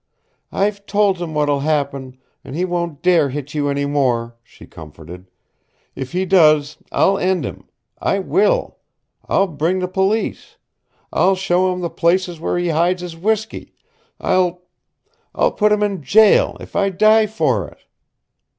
"I've told him what'll happen, an' he won't dare hit you any more," she comforted. "If he does, I'll end him. I will! I'll bring the police. I'll show 'em the places where he hides his whiskey. I'll I'll put him in jail, if I die for it!"